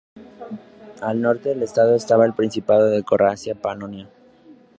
Al norte del estado estaba el Principado de Croacia-Panonia.